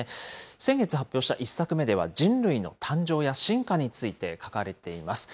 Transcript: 先月発表した１作目では、人類の誕生や進化について書かれています。